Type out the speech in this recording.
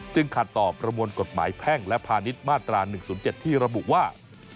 ขาดต่อประมวลกฎหมายแพ่งและพาณิชย์มาตรา๑๐๗ที่ระบุว่า